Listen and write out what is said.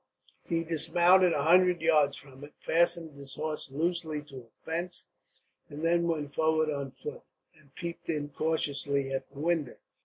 He dismounted a hundred yards from it, fastened his horse loosely to a fence, and then went forward on foot, and peeped in cautiously at the window.